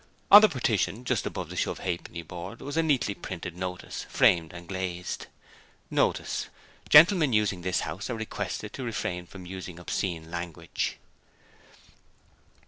On the partition, just above the shove ha'penny board was a neatly printed notice, framed and glazed: NOTICE Gentlemen using this house are requested to refrain from using obscene language.